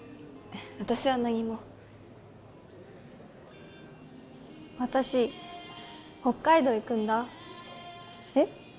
私は何も私北海道行くんだえっ？